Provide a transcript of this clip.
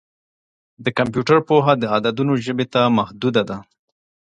د کمپیوټر پوهه د عددونو ژبې ته محدوده ده.